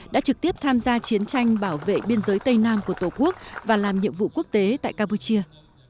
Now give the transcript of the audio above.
đã trực tiếp tham gia chiến tranh bảo vệ biên giới tây nam của tổ quốc và làm nhiệm vụ quốc tế tại campuchia